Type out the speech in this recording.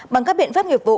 bằng các biện pháp nghiệp vụ